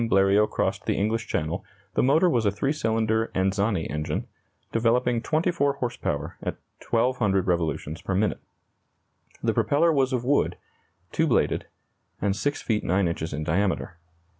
Bleriot crossed the English Channel, the motor was a 3 cylinder Anzani engine, developing 24 horse power at 1,200 revolutions per minute. The propeller was of wood, 2 bladed, and 6 feet 9 inches in diameter.